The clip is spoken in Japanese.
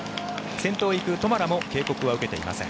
先頭を行くトマラも警告は受けていません。